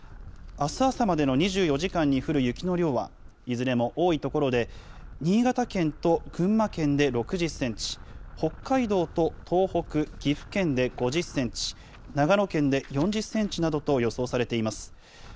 あす朝までの２４時間に降る雪の量は、いずれも多い所で、新潟県と群馬県で６０センチ、北海道と東北、岐阜県で５０センチ、長野県で４０センチなどと予想されています。